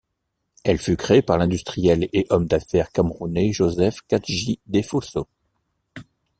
Elle fut créée par l'industriel et homme d'affaires camerounais Joseph Kadji Defosso.